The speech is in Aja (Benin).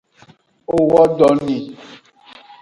O wo do ni.